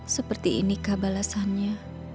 seperti ini kah balasannya